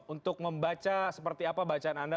untuk membaca seperti apa bacaan anda